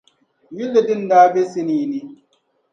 yilli din daa be sinii ni.